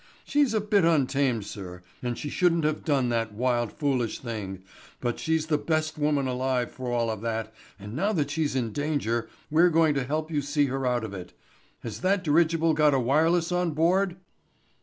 She's a bit untamed, sir, and she shouldn't have done that wild, foolish thing, but she's the best woman alive for all of that and now that she's in danger we're going to help you see her out of it. Has that dirigible got a wireless on board?"